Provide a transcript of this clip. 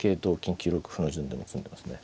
９六歩の順でも詰んでますね。